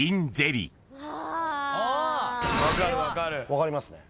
分かりますね。